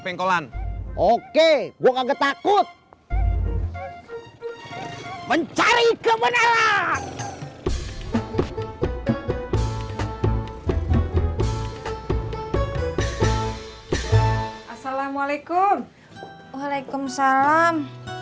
kebetulan oke gua gak takut mencari kebenaran assalamualaikum waalaikumsalam